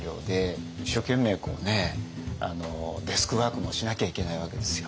一生懸命デスクワークもしなきゃいけないわけですよ。